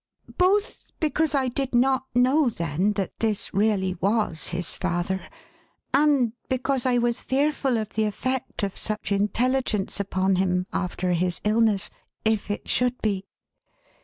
"Both, because I did not know, then, that this really was his father, and because I was fearful of the effect of such intelligence upon him, after his illness, if it should be.